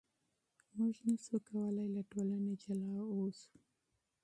موږ نشو کولای له ټولنې جلا اوسو.